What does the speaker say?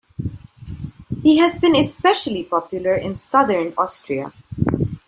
He has been especially popular in southern Austria.